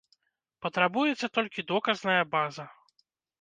Патрабуецца толькі доказная база.